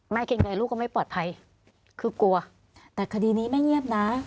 เกรงใจลูกก็ไม่ปลอดภัยคือกลัวแต่คดีนี้แม่เงียบนะ